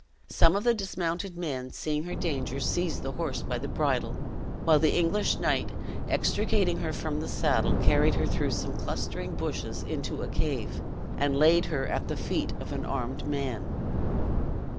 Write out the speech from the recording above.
Some of the dismounted men, seeing her danger, seized the horse by the bridle; while the English knight extricating her from the saddle, carried her through some clustering bushes into a cave, and laid her at the feet of an armed man.